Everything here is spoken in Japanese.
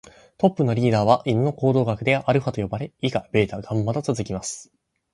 トップのリーダーは犬の行動学ではアルファと呼ばれ、以下ベータ、ガンマと続きます。